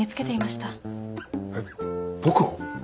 えっ僕を？